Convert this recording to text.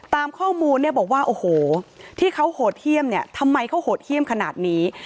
ตามข้อมูลเนี่ยบอกว่าโอ้โหที่เขาโหดเยี่ยมเนี่ยทำไมเขาโหดเยี่ยมขนาดนี้